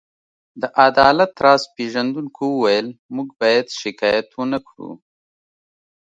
د عدالت راز پيژندونکو وویل: موږ باید شکایت ونه کړو.